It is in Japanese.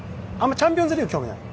チャンピオンズリーグは興味ない。